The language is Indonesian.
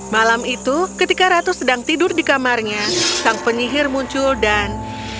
malam itu ketika ratu sedang tidur di kamarnya sang penyihir muncul dan